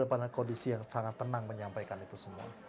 berada dalam kondisi yang sangat tenang menyampaikan itu semua